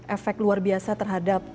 efek luar biasa terhadap